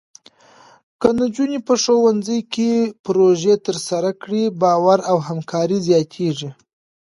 که نجونې په ښوونځي کې پروژې ترسره کړي، باور او همکاري زیاتېږي.